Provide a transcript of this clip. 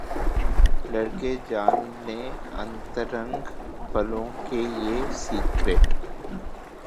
लड़के जान लें अंतरंग पलों के ये सीक्रेट